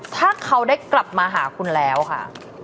ถ้าเขาได้กลับมาหาคุณแล้วค่ะ